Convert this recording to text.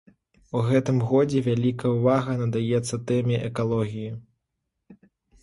У гэтым годзе вялікая ўвага надаецца тэме экалогіі.